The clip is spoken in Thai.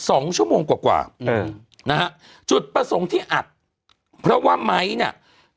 สองชั่วโมงกว่ากว่าอืมนะฮะจุดประสงค์ที่อัดเพราะว่าไม้เนี่ย